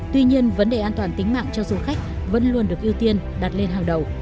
tuy nhiên vấn đề an toàn tính mạng cho du khách vẫn luôn được ưu tiên đặt lên hàng đầu